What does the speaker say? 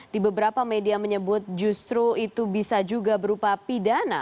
di beberapa media menyebut justru itu bisa juga berupa pidana